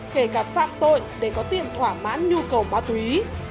kể cả phạm tội